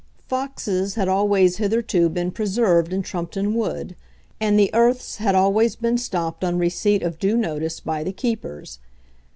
Foxes had always hitherto been preserved in Trumpeton Wood, and the earths had always been stopped on receipt of due notice by the keepers.